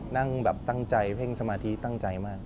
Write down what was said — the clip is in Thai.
นั่งแบบตั้งใจเพ่งสมาธิตั้งใจมาก